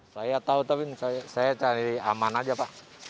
saya tahu tapi saya cari aman aja pak